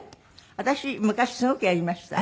私昔すごくやりました。